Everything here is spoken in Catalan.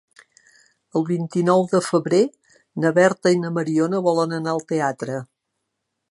El vint-i-nou de febrer na Berta i na Mariona volen anar al teatre.